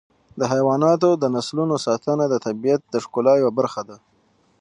د حیواناتو د نسلونو ساتنه د طبیعت د ښکلا یوه برخه ده.